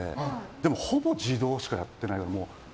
でもほぼ自動しかやってない。